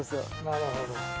なるほど。